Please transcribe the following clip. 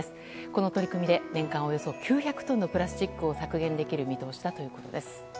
この取り組みで年間およそ９００トンのプラスチックを削減できる見通しだということです。